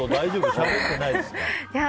しゃべってないですか？